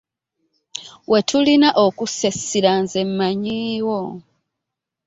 We tulina okussa essira nze mmanyiiwo.